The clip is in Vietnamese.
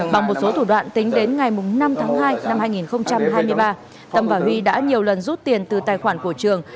bằng một số thủ đoạn tính đến ngày năm tháng hai năm hai nghìn hai mươi ba tâm và huy đã nhiều lần rút tiền từ tài khoản của trường